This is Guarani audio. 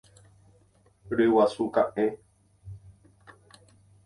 Ryguasu ka'ẽ.